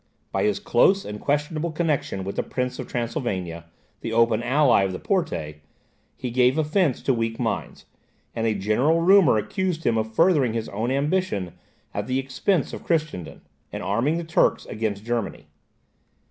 By his close and questionable connexion with the Prince of Transylvania, the open ally of the Porte, he gave offence to weak minds; and a general rumour accused him of furthering his own ambition at the expense of Christendom, and arming the Turks against Germany.